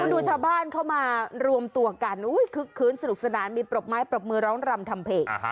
ดูชาวบ้านเข้ามารวมตัวกันคึกคืนสนุกสนานมีปรบไม้ปรบมือร้องรำทำเพลง